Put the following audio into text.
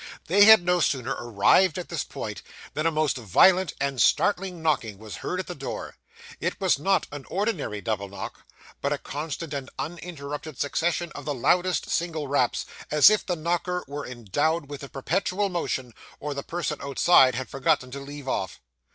They had no sooner arrived at this point, than a most violent and startling knocking was heard at the door; it was not an ordinary double knock, but a constant and uninterrupted succession of the loudest single raps, as if the knocker were endowed with the perpetual motion, or the person outside had forgotten to leave off.